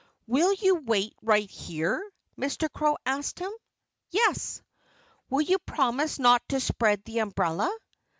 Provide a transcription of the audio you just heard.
"Will you wait right here?" Mr. Crow asked him. "Yes!" "Will you promise not to spread the umbrella?"